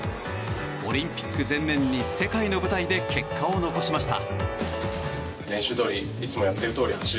オリンピック前年に世界の舞台で結果を残しました。